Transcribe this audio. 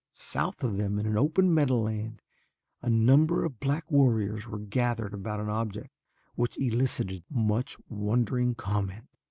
South of them in an open meadowland a number of black warriors were gathered about an object which elicited much wondering comment.